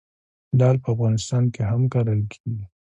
دال په افغانستان کې هم کرل کیږي.